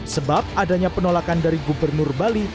sebab adanya penolakan dari gubernur bali